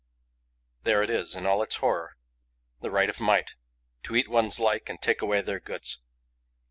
There it is, in all its horror, the right of might: to eat one's like and take away their goods.